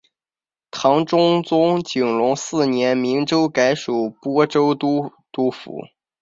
唐中宗景龙四年明州改属播州都督府。